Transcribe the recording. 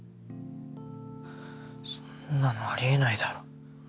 そんなのあり得ないだろ。